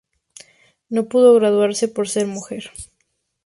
No pudo graduarse por ser mujer.